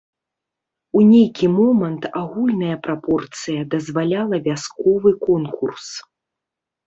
У нейкі момант агульная прапорцыя дазваляла вясковы конкурс.